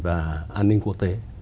và an ninh quốc tế